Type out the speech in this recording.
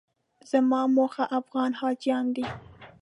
زما موخه افغان حاجیان دي.